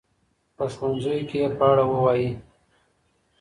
په ښوونځیو کي یې په اړه ووایئ.